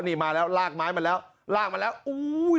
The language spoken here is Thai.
นี่มาแล้วลากไม้มาแล้วลากมาแล้วอุ้ย